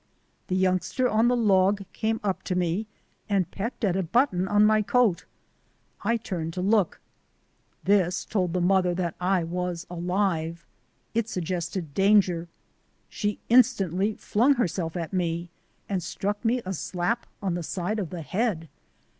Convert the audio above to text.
The youngster on the log came up to me and pecked at a button on my coat. I turned to look. This told the mother that I was alive. It suggested danger. She instantly flung herself at me and struck me a slap on the side of the head.